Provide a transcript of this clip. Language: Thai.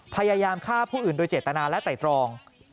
พยายามฆ่าผู้อื่นโดยเจตนาและไต่ตรอง